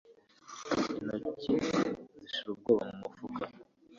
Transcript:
intoki zishira ubwoba mumufuka